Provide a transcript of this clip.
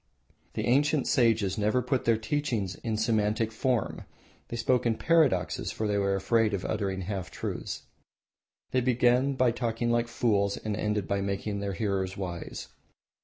The ancient sages never put their teachings in systematic form. They spoke in paradoxes, for they were afraid of uttering half truths. They began by talking like fools and ended by making their hearers wise.